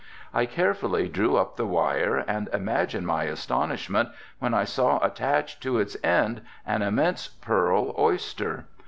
I carefully drew up the wire and imagine my astonishment when I saw attached to its end an immense pearl oyster.